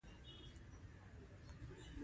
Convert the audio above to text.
د بریښنا قطع کول کمپیوټر ته زیان رسولی شي.